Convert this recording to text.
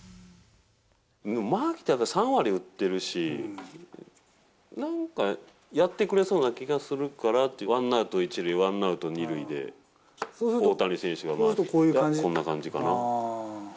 でも牧だって３割打ってるし、なんかやってくれそうな気がするからって、ワンアウト１塁、ワンアウト２塁で、大谷選手が、そうするとこんな感じかな。